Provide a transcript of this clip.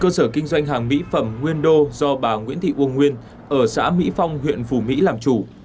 cơ sở kinh doanh hàng mỹ phẩm nguyên đô do bà nguyễn thị uông nguyên ở xã mỹ phong huyện phù mỹ làm chủ